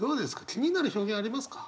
気になる表現ありますか？